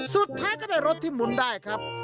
สุดท้ายก็ได้รถที่หมุนได้ครับ